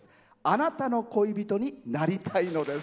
「貴方の恋人になりたいのです」。